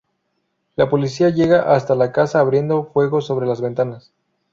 La policía llega hasta la casa abriendo fuego sobre las ventanas.